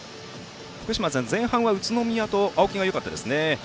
福島さん、前半は宇都宮と青木がよかったですね。